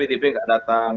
misalnya pdp nggak datang